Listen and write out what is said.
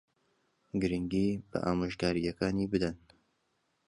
گرنگی بە ئامۆژگارییەکانی بدەن.